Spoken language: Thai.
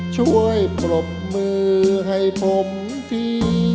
ช่วยปรบมือให้ผมดี